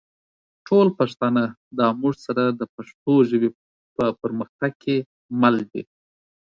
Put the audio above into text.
ټول پښتانه دا مونږ سره د پښتو ژبې په پرمختګ کې مل دي